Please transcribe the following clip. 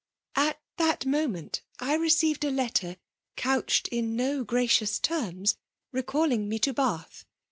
" At that moment I received a letter coudbad in no gracious terms, recalling me to BiuA.